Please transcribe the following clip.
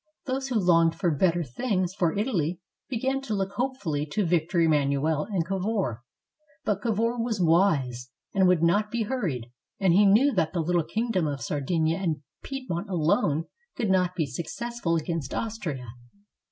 Those who longed for bet ter things for Italy began to look hopefully to Victor Em manuel and Cavour. But Cavour was wise and would 129 ITALY not be hurried, and he knew that the little kingdom of Sardinia and Piedmont alone could not be success ful against Austria.